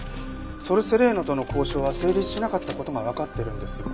ソル・セレーノとの交渉は成立しなかった事がわかってるんです。